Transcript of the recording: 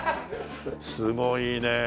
すごいねえ。